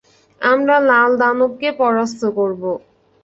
আমরা লাল দানবকে পরাস্ত করবো।